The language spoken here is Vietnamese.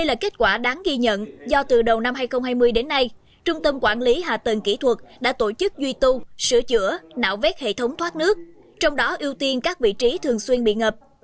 đây là kết quả đáng ghi nhận do từ đầu năm hai nghìn hai mươi đến nay trung tâm quản lý hạ tầng kỹ thuật đã tổ chức duy tu sửa chữa nạo vét hệ thống thoát nước trong đó ưu tiên các vị trí thường xuyên bị ngập